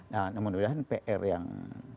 nah kemudian pr yang